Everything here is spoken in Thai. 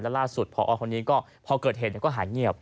และล่าสุดพ่อออสคนนี้พอเกิดเห็นก็หายเหงียบ